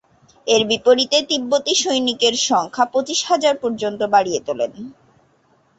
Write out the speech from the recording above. এর বিপরীতে তিব্বতী সৈনিকের সংখ্যা পঁচিশ হাজার পর্যন্ত বাড়িয়ে তোলেন।